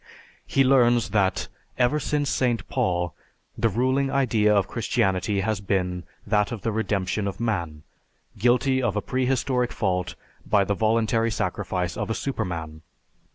He learns that, "Ever since St. Paul, the ruling idea of Christianity has been that of the redemption of man, guilty of a prehistoric fault, by the voluntary sacrifice of a superman.